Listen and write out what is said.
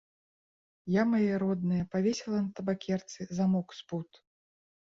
Я, мае родныя, павесіла на табакерцы замок з пуд.